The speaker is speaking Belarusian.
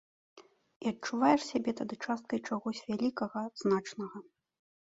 І адчуваеш сябе тады часткай чагось вялікага, значнага.